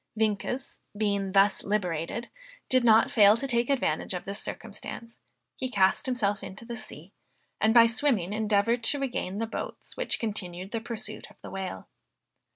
Vienkes being thus liberated, did not fail to take advantage of this circumstance; he cast himself into the sea, and by swimming, endeavored to regain the boats which continued the pursuit of the whale.